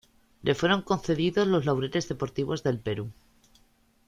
Le fueron concedidos los Laureles deportivos del Perú.